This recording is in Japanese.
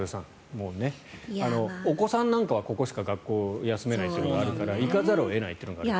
もうお子さんなんかはここしか学校を休めない事情があるから行かざるを得ないということがあって。